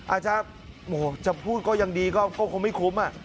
อาจจะพูดก็ยังดีก็คงไม่คุ้ม